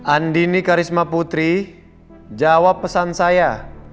andini karisma putri jawab pesan saya